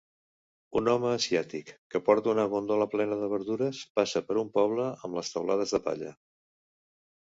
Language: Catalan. Un home asiàtic que porta una góndola plena de verdures passa per un poble amb les teulades de palla